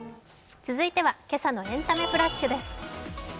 続いては「けさのエンタメフラッシュ」です。